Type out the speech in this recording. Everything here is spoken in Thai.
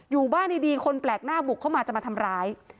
อยู่บ้านดีคนแปลกหน้าบุกเข้ามาจะมาทำร้าย